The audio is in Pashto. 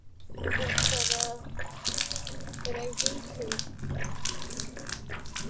ورسره رهي سوم.